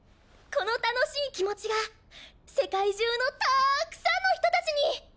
この楽しい気持ちが世界中のたくさんの人たちに！